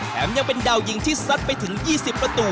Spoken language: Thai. ยังเป็นดาวยิงที่ซัดไปถึง๒๐ประตู